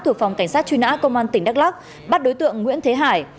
thuộc phòng cảnh sát truy nã công an tỉnh đắk lắc bắt đối tượng nguyễn thế hải